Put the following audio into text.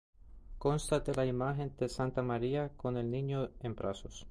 Consta de la imagen de Santa María con el Niño en brazos.